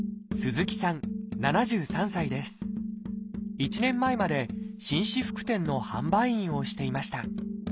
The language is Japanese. １年前まで紳士服店の販売員をしていました。